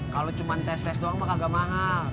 kalau cuma tes tes doang mah kagak mahal